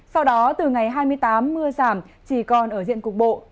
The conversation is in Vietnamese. sau đó từ ngày hai mươi tám mưa giảm chỉ còn ở diện cục bộ